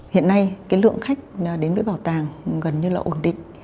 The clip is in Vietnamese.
hiện nay cái lượng khách đến với bảo tàng gần như là ổn định